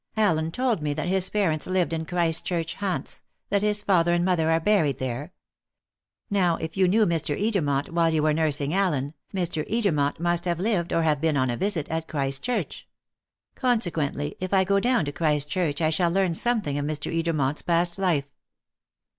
"Allen told me that his parents lived in Christchurch, Hants that his father and mother are buried there. Now, if you knew Mr. Edermont while you were nursing Allen, Mr. Edermont must have lived, or have been on a visit, at Christchurch. Consequently, if I go down to Christchurch I shall learn something of Mr. Edermont's past life."